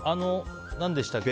何でしたっけ？